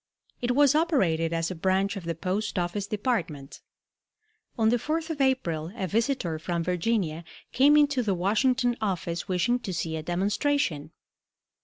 It was operated as a branch of the Post office Department. On the 4th of April a visitor from Virginia came into the Washington office wishing to see a demonstration.